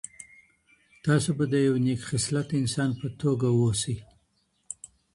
تاسو به د یو نیک خصلته انسان په توګه اوسئ.